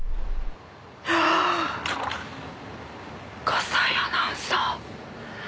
笠井アナウンサー。